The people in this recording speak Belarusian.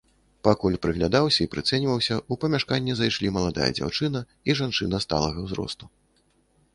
Пакуль прыглядаўся і прыцэньваўся, у памяшканне зайшлі маладая дзяўчына і жанчына сталага ўзросту.